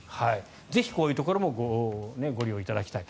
ぜひこういうところもご利用いただきたい。